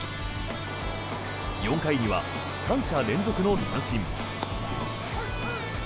４回には３者連続の三振。